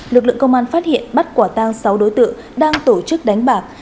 lực lượng công an phát hiện bắt quả tang sáu đối tượng đang tổ chức đánh bạc